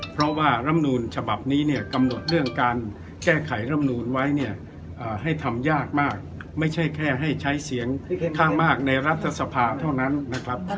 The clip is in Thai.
เพราะว่ารำนูลฉบับนี้เนี่ยกำหนดเรื่องการแก้ไขรำนูนไว้เนี่ยให้ทำยากมากไม่ใช่แค่ให้ใช้เสียงข้างมากในรัฐสภาเท่านั้นนะครับ